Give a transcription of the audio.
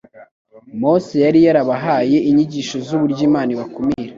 Mose yari yarabahaye inyigisho z'uburyo Imana ibakumira